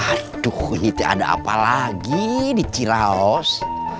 aduh ini ada apa lagi di cilaos